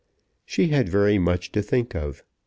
She had very much to think of.